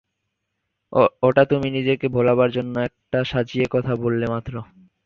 ওটা তুমি নিজেকে ভোলাবার জন্যে একটা সাজিয়ে কথা বললে মাত্র।